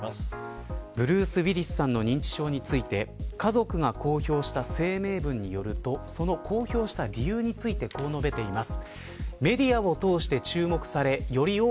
ブルース・ウィリスさんの認知症について家族が公表した声明文によるとその公表した理由についてこう述べています。